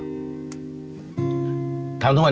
ทำทุนนี้ก็เพื่อลูกเองนะฮะ